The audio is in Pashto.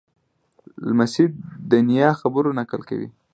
لمسی د نیا د خبرو نقل کوي.